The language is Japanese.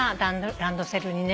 ランドセルにね。